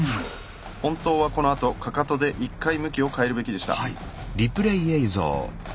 本当はこのあとかかとで１回向きを変えるべきでした。